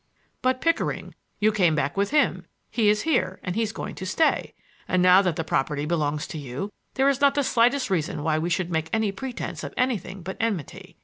"But Pickering,—you came back with him; he is here and he's going to stay! And now that the property belongs to you, there is not the slightest reason why we should make any pretense of anything but enmity.